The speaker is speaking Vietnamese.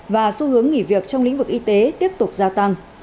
và xu hướng nghỉ việc trong lĩnh vực y tế tiếp tục gia tăng